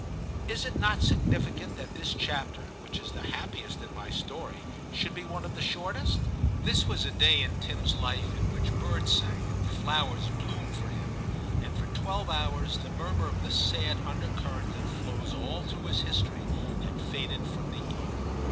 Is it not significant that this chapter, which is the happiest in my story, should be one of the shortest ? This was a day in Tim's life in which birds sang and flowers bloomed for him, and for twelve hours the murmur of the sad undercurrent that flows all through his history had faded from the ear.